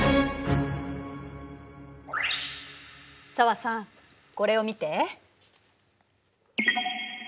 紗和さんこれを見て。